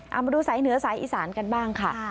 เอามาดูสายเหนือสายอีสานกันบ้างค่ะ